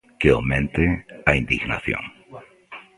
Que aumente a indignación.